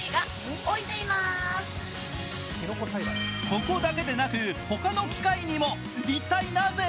ここだけでなく他の機械にも一体なぜ？